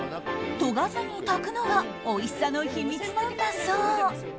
研がずに炊くのがおいしさの秘密なんだそう。